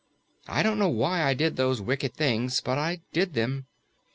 I don't know why I did those wicked things, but I did them.